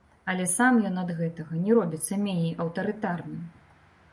Але сам ён ад гэтага не робіцца меней аўтарытарным.